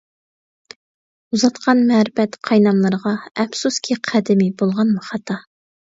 ئۇزاتقان مەرىپەت قايناملىرىغا، ئەپسۇسكى قەدىمى بولغانمۇ خاتا.